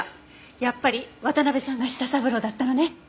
やっぱり渡辺さんが舌三郎だったのね。